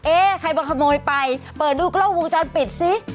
เอ๊ะใครมาขโมยไปเปิดดูกล้องวงจรปิดซิ